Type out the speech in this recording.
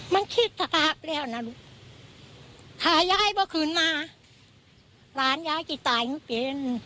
มันคิดสภาพแล้วนะลูกถ้ายายบอกคืนมาหลานยายจะตายไม่เป็น